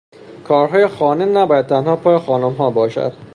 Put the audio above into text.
کارهای خانه نباید تنها پا خانمها باشد.